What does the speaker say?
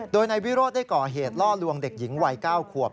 โดยนายวิโรธได้ก่อเหตุล่อลวงเด็กหญิงวัย๙ขวบ